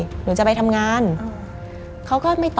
มันกลายเป็นรูปของคนที่กำลังขโมยคิ้วแล้วก็ร้องไห้อยู่